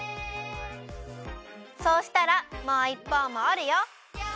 そうしたらもういっぽうもおるよ！